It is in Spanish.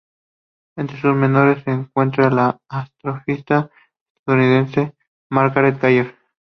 Entre sus mentores se encuentra la astrofísica estadounidense Margaret Geller.